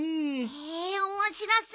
へえおもしろそう。